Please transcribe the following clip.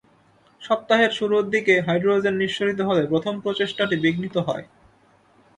সপ্তাহের শুরুর দিকে হাইড্রোজেন নিঃসরিত হলে প্রথম প্রচেষ্টাটি বিঘ্নিত হয়।